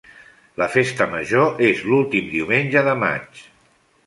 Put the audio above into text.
La festa major és l'últim diumenge de maig.